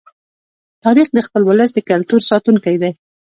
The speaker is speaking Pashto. تاریخ د خپل ولس د کلتور ساتونکی دی.